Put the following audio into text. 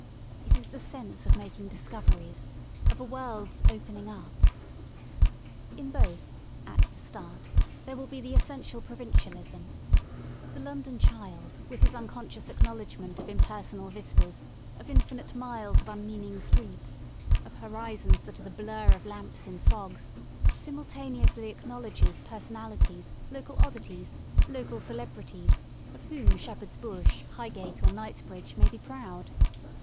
It is the sense of making discoveries, of a world's opening up. In both, at the start, there will be the essential pro vincialism* The London child, with his unconscious acknowledgementof impersonal vistas, of infinite miles of unmeaning streets, of horizons that are the blur of lamps in fogs, simultaneously acknowledges person alities, local oddities, local celebrities of whom Shep herd's Bush, Highgate or Knightsbridge maybe proud.